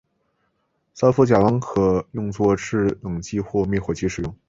三氟甲烷可用作制冷剂或灭火剂使用。